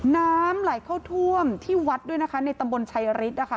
น้ำไหลเข้าท่วมที่วัดด้วยนะคะในตำบลชัยฤทธินะคะ